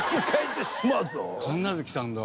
神奈月さんだ。